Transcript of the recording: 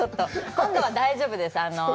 今度は大丈夫です。